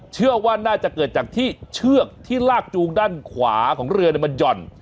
เชื่อว่าน่าจะเกิดจากที่เชือกที่ลากจูงด้านขวาของเรือมันหย่อน